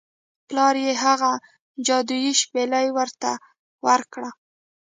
پلار یې هغه جادويي شپیلۍ ورته ورکړه.